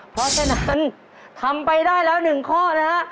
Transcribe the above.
เพราะฉะนั้นทำไปได้แล้ว๑ข้อนะฮะ